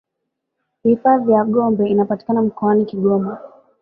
hifadhi ya gombe inapatikana mkoani kigoma